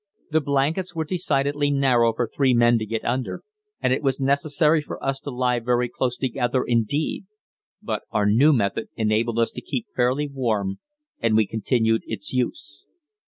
The blankets were decidedly narrow for three men to get under, and it was necessary for us to lie very close together indeed; but our new method enabled us to keep fairly warm and we continued its use.